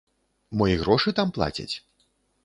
Мо і грошы там плацяць?